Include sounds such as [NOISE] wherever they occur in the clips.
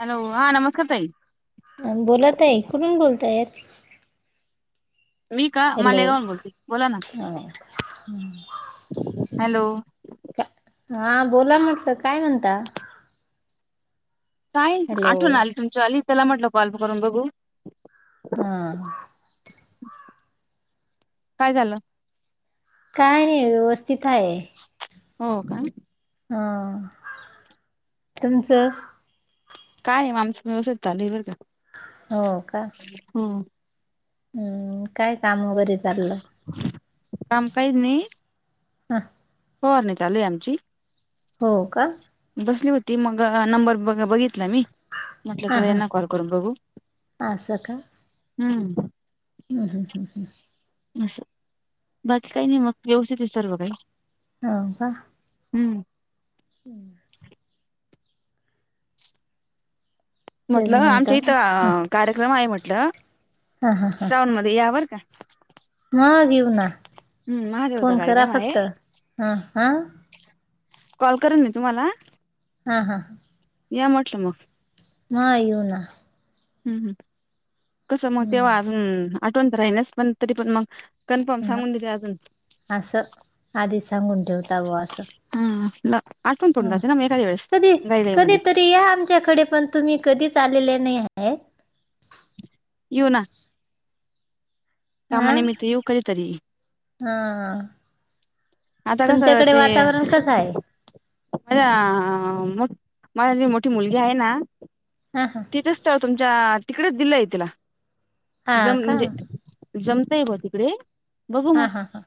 Hello, हा नमस्कार ताई. बोला ताई, कुठून बोलतायत? मी का हॅलो. मालेगावून बोलते बोला ना हॅलो. हा बोला म्हटलं, काय म्हणता? काय हॅलो आठवण आली तुमची आली, चला म्हटलं कॉल करून बघू. हा. काय झालं? काय नाही, व्यवस्थित हाय. हो का. हा. तुमचं? काय नाही, आमचं व्यवस्थित चाललय बर का. हो का. हुं. हम्म, काय काम वगैरे चाललं? काम काहीच नाही. [UNINTELLIGIBLE] हो आणि चालू आहे आमची. हो का. बसली होती, मग नंबर बग बघितला मी. म्हटलं हा तर हा यांना कॉल करून बघू. हम्म. हं हं हं हं. असं बाकी काही नाही मग, व्यवस्थित आहे सर्व काही. हो का. हुं. [INAUDIBLE] तेच म्हटलं, म्हणता आमच्या ह इथं कार्यक्रम आहे म्हटलं. हा हा हा श्रावण मध्ये या बर का. मग येऊ ना, हम्म महादेवाचा फोन करा कार्यक्रम आहे फक्त. हा हा. कॉल करेन मी तुम्हाला. हा हा हा. या म्हटलं मग. म येऊ ना. हम् कसं मग हम्म तेव्हाम् आठवण तर राहिनच पण तरी पण मग. कन्फर्म ह सांगून दिले अजून असं आ दिसांुं ठेवता ग अससं. हा आठवण तोंलाते ना मी एखाद्या वेळेस गायलाई मध्ये. ते या आमच्याकडे पण तुम्ही कधीच आलेले नाही आहे. येऊ ना. हा कामनमित् येू करतरी हा आता तुमच्याकडे वातावरण कस आहे. माझा मलाी मोठी मुलगी आहे ना.. हा हा. तिथ स्थळ तुमच्या तिकडेच दिलंय तिला हा जम का म्हणजे. जमताय म तिकडे बघू हा मग.. हा हा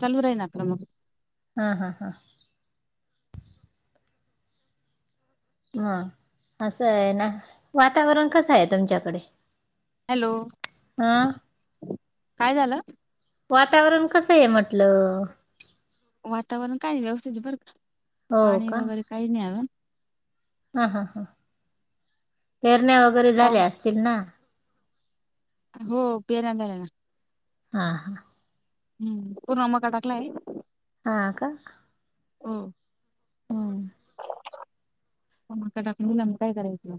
चालू राही ना आपलं मग. हा हा हा. ह असं आहे ना वातावरण कसं आहे तुमच्याकडे.. हॅलो हा काय झालं. वातावरण कसं आहे म्हटलं. वातावरण काय व्यवस्थितित बर हो पाणी वगैरे काही नाही आ. ह हां हां फेरण्या वगैरे झाल्या पाऊस असतील ना. हो पेर. हा हा. हम्म पूर्ण् कडाकला आहे. हा का. ह. हम. म का टाकणीलाम काय करायचं.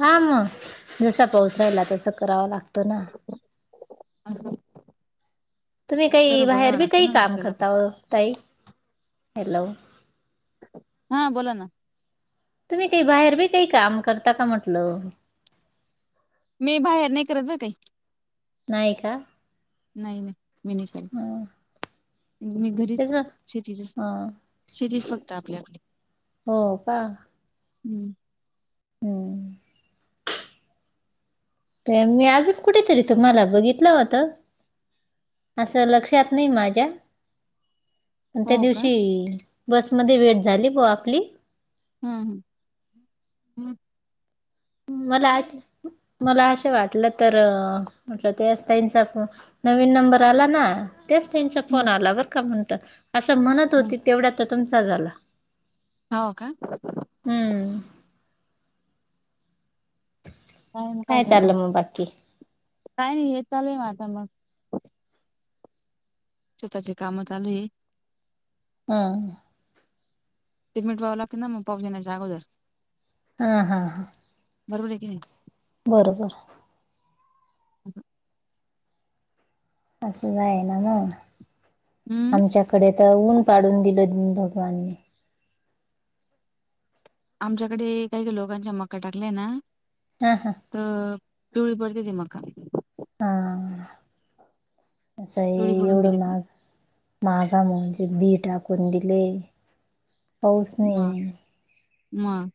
हा मग जसा पाऊस राहिला तस करावा लागतो ना. अछा! तुम्ही काही बाहेर बी काही ना मग काम आपल्याला पण. करता तई हॅलो. हा बोला ना. [INAUDIBLE] तुम्ही काही बाहेर बी काही काम करता का म्हटलं. मी बाहेर नाही करत ना काही. नायका. नाही नाही मी नाही काल. मी घरीच तेच ना शेती ह शेतीच फक्त आपली आपली.. हो का. हम्म. हम्म. ते मी अजून कुठेतरी तुम्हाला बघितलं होतं. असं लक्षात नाही माझ्या. आणि त्या हो का दिवशी बसमध्येध्ये वेट झाली ब आपली हम्म हम हम्. मला मला असे वाटलं तर म्हटलं ते असताईंचा. नवीन नंबर आला ना. त्याच त्यांचा फोन हम्म आला बरं का म्हणत असं म्हणत हम्म होती तेवढ्या तर तुमचा झाला. हो का. हम्म. काय चाललं मग बाकी. काय नाही हे चालूय मा आता मग. त्याचे काम आलूय हम्. तिरमिट पावला कि ना म पापज जागोदर हा हा हा. बरोबर आहे की नाही. बरोबर. [UNINTELLIGIBLE] असं जाय ना मग हम्म आमच्याकडे तर ऊन पाडून दिलोघ बा आमच्याकडे काही काही लोकांच्या मक्का टाकला ना हा हा. तर टवळी पडते ती मग खा हा पिवळी पडून सईवड गेली ती मग मागा म्हजे बीटा कोून दिले पाऊस नाही. म.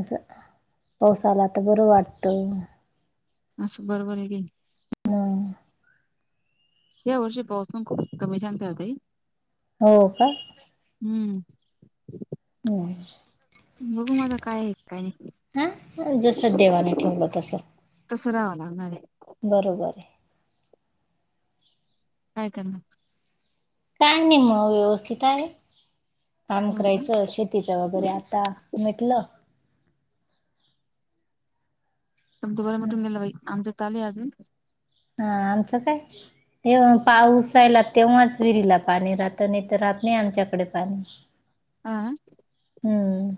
असं पावसाला तर बरं वाटतं. अससं बरोबर आहे गे. मग या वर्षी पाऊस पण खूप कमी छानतहतय हो का? हम्म. हम्. बघू माझा काय आहे काय नाही हा जस देवाने ठेवलं तस तसं रावाला न बरोबर आहे. काय कर ना? काय नाही मग व्यवस्थित आहे काम हो का करायचं श तिच वगैरे आता मिटलं तमच बरं मिटून हा गेला बाई आमं चाले अजून हा आमचं काय? व्हा पाऊस आयला तेव्हाच विहिरीला पाणी राहत. नाही तर राहत नाही आमच्याकडे पाणी. आह. हम्म.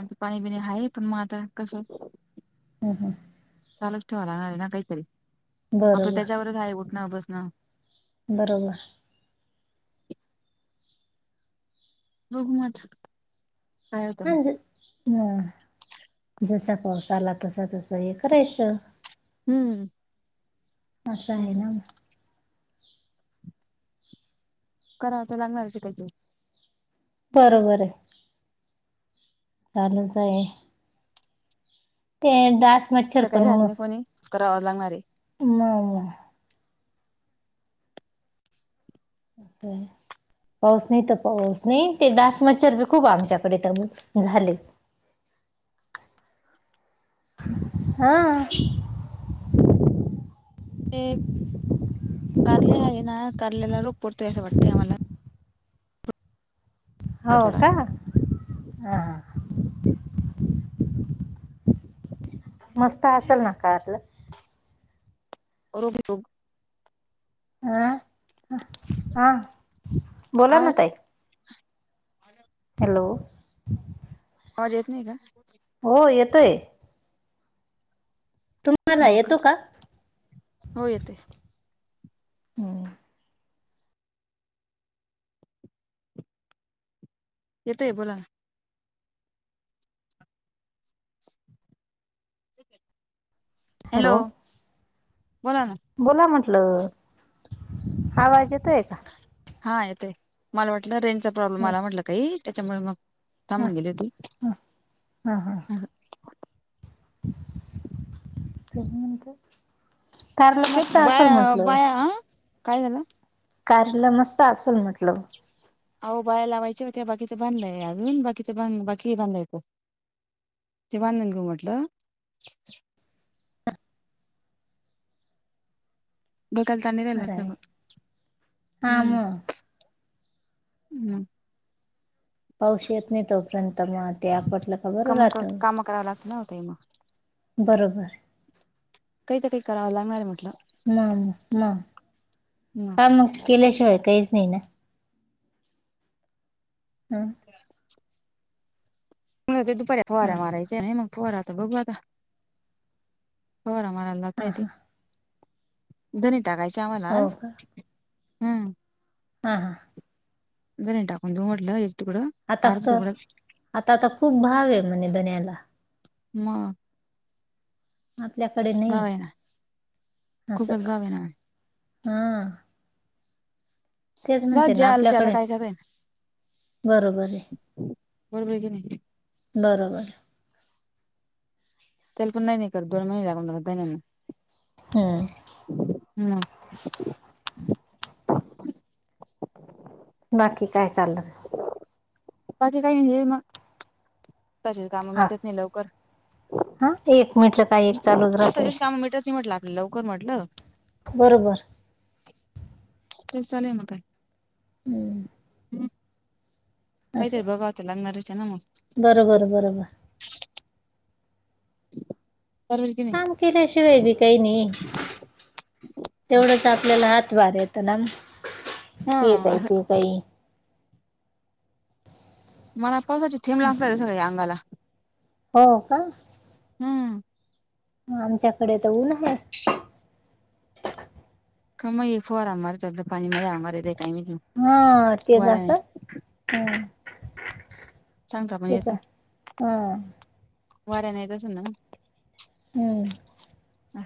आ पाणी बिनी आहेय पण मग आता कसं ह हं. चालच ठेवाला ना काहीतरी आपलं बरोबर त्याच्यावरच आहे. उठणं बसणं बरोबर. बघू मग आता. काय ह होतं ह जसा पाऊस आला तसा तसा हे करायचं. हम्म. असं आहे ना. कराव तरं लागणार शिकायची. बरोबर आहे. चालूच आहे. ते डास मच्छर तर काही राहत नाही पण कोणी करावं लागणारे. [UNINTELLIGIBLE] [UNINTELLIGIBLE] पाऊस नाही तर पाऊस नाही ते दास मच्छर खूप आमच्याकडे झाले. हा. ते कारले हाय ना कारलेला रोग पडतोय असं वाटतंय आम्हाला थोडा हाव थोडा का ह. मस्त असेल ना कारल? रबो [UNINTELLIGIBLE] हा हा बोला ना आवाज ताई. हॅलो. आवाज येत नाही का? हो येतोय. तुम्हाला हो का येतो हो येतोय. हम्म. येतोय बोलान. [UNINTELLIGIBLE] हॅलो बोला ना. बोला म्हंटल आवाज येतोय का? हा येते मला वाटलं रेंजचा प्रॉब्लेम आला म्हटलं काही त्याच्यामुळे मग हा थांबून गेले होती. हा हा नंतर कारला ते मस्त असेल बाया म्हंटलं? बाया हा काय झालं? कारला मस्त असेल म्हटलं? अहो बाया लावायच्या होत्या बाकीच बांधलं आहे अजुन बाकीच ते ब बाकीय बाधायच ते बांधून घेऊ म्हटलं. डोक्याला ताण नाही राहिला असता मग हा हम्म मग हम्म ‌. पाऊस येत नाही तोपर्यंत मग ते आपटलं का बरं काम राहत. काम करावं लागतं ना ताई मग बरोबर. काही तर काही करावं लागणार आहे म्हटलं. म म का मग केल्याशिवाय काहीच नाही ना. हम्म. ह [UNINTELLIGIBLE] ते दुपारी फुहऱ्या असं मारायच्या नाही मग फुहारा तर बघूता आता फवारा मारायला हां लावतायते हां धनी टाकायचे आम्हाला हो आज हम्म. हा हां. धने टाकुण देऊ म्हटल इ तिकड आता तर आता तर खूप भाव आहे म्हणे धण्याला म.. आपल्याकडे नाही लावाया. असं खूपच गाव आहे ना हा. तेच ग म्हणते जे ना आल ते आता आपल्याकडे काय करय बरोबर आहे. बरोबर आहे की नाही. बरोबर. त्याला पण नाही नाही करत दोन महिने लागुन जाता धण्याले हम्म. हम्म. बाकी काय चाललं. पाकी काही नाही हे मग तशेच काम हा भेटत नाही लवकर. हा एक म्हटलं काय एक चालूच राहतय. तसेच कामं मिटत नाही म्हटलं आपलं लवकर बरोबर. तेस चालेय म काय. हम्म. काहीतरी बघाव तार लागनाच आहे ना मग. बरोबरं बरोबर. करर की नाही. काम केल्याशिवाय बी काही नाही. तेवढंच आपल्याला हात वार येतं ना हा हे काय असं ते काही. मला पसाची थेब लागता त स का या अंगाला. हो का हम्म. आमच्याकडे तर ऊन आहे. काम एक फर आम तर पाणी मजावणार रेेत काही. हा तेच हम. सांगता पण येत वाऱ्या नाही येत अस ना. हम्म अ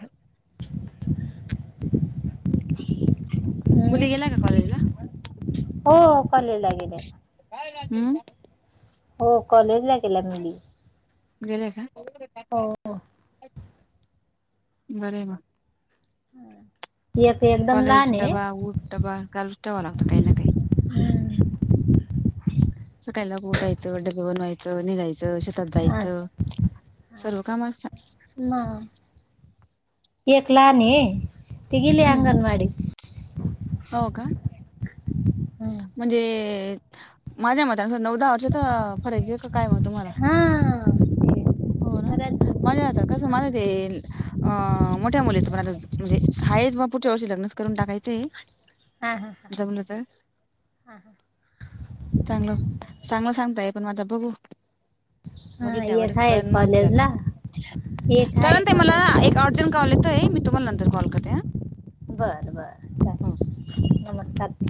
[UNINTELLIGIBLE] मुलीगेला काॉलेज ल हो कललगे. काय का हो कॉलेज ला केला मी. गेले का बर म हम् एकक. कॉलेज डबा ऊट डबाल ठेवा लागत काही ना काही. सका एला ऊटा यतो डडे भोवन आयतो नगयतो श. अस जायचं सर्व काम. ना एकला न तघली हम्म हम्म अंगनवाडी. हो का म्हणजे माझ्या मतान नौदाहा वर्षात फरक आहे का काय मत. तुम्हाला हा हो ना बराच माज्याता कस माला ते. अ मोठ्या मुलीच पण आता म्हणजे हा मग पुढच्या वर्षी लग्नच करून टाकायचे. हा हा ह. जाऊ ना तर हा हा. चांगलं चांगलं सांगताय पण माझा बघू. हा एक बघितल्यावरच आहे कळेल ना आपल्याला कॉलेजला एक आहे चालाल ते मला. कॉलेजला अर्जंट कॉलेत आहे मी तुम्हाला नंतरॉलते ह.. बर बर चालेल नमस्कार.